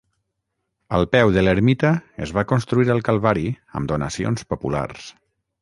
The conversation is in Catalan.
Al peu de l'ermita es va construir el calvari amb donacions populars.